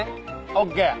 ＯＫ。